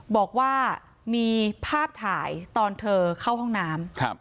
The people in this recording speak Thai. บอกว่ามีภาพถ่ายตอนเธอเข้าห้องน้ำ